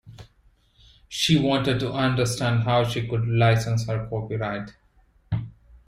She wanted to understand how she could license her copyright.